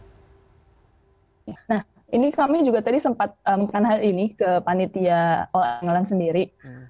nah ini kami juga tadi sempat mengenal ini ke panitia o anglang sendiri